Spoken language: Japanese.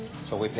そう。